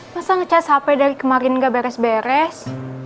masa ngecas hp dari kemarin gak beres beres